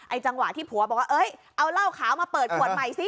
จังหวะที่ผัวบอกว่าเอาเหล้าขาวมาเปิดขวดใหม่ซิ